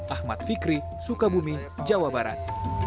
ahmad fikri sukabumi jawa barat